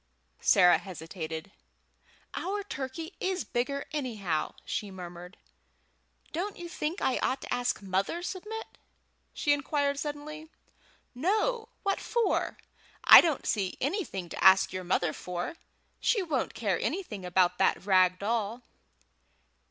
Sarah hesitated. "Our turkey is bigger anyhow," she murmured. "Don't you think I ought to ask mother, Submit?" she inquired suddenly. "No! What for? I don't see anything to ask your mother for. She won't care anything about that rag doll."